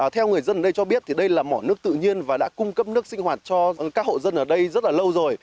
theo người dân ở đây cho biết thì đây là mỏ nước tự nhiên và đã cung cấp nước sinh hoạt cho các hộ dân ở đây rất là lâu rồi